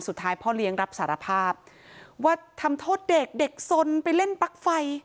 พ่อเลี้ยงรับสารภาพว่าทำโทษเด็กเด็กสนไปเล่นปลั๊กไฟ